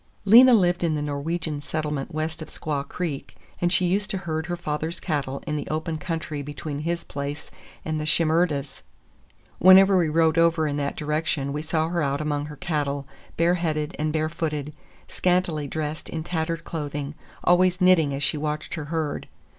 Lena lived in the Norwegian settlement west of Squaw Creek, and she used to herd her father's cattle in the open country between his place and the Shimerdas'. Whenever we rode over in that direction we saw her out among her cattle, bareheaded and barefooted, scantily dressed in tattered clothing, always knitting as she watched her herd.